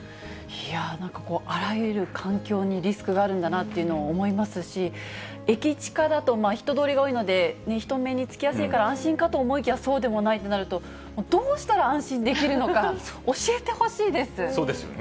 なんかあらゆる環境にリスクがあるんだなというのを思いますし、駅近だと人通りが多いので人目につきやすいから安心かと思いきや、そうでもないってなると、どうしたら安心できるのか、教えてほしそうですよね。